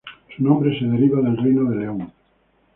Su nombre se deriva del Reino de León.